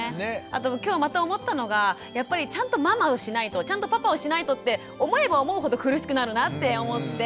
あときょうまた思ったのがやっぱりちゃんとママをしないとちゃんとパパをしないとって思えば思うほど苦しくなるなって思って。